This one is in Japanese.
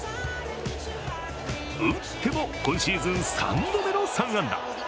打っても今シーズン３度目の３安打。